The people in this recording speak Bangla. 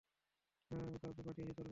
না, আমি অন্য কাউকে পাঠিয়েছি তোর কাছে।